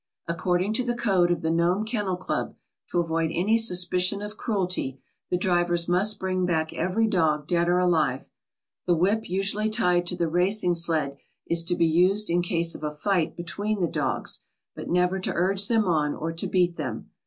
"According to the code of the Nome Kennel Club, to avoid any suspicion of cruelty, the drivers must bring back every dog, dead or alive. The whip usually tied to the racing sled is to be used in case of a fight between the dogs but never to urge them on or to beat them.